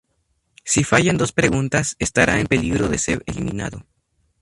Si fallan dos preguntas, estará en peligro de ser eliminado.